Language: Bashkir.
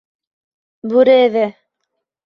Бүре эҙе...